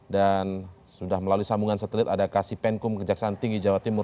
dan sudah melalui sambungan setelit ada kasipenkum kejaksaan tinggi jawa timur